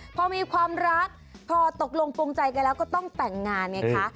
พอมีความรักพอตกลงปวงใจกันแล้วก็ต้องแต่งงานไงคะ